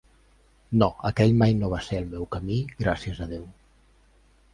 No, aquell mai no va ser el meu camí, gràcies a déu.